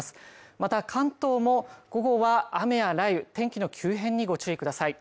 また関東も午後は雨や雷雨天気の急変にご注意ください。